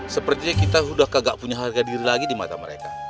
sepertinya kita sudah kagak punya harga diri lagi di mata mereka